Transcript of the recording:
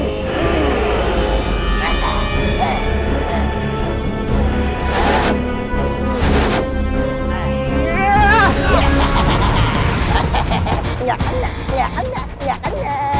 tidak ada tidak ada tidak ada